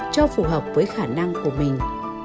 cho phù hợp với khả năng của mình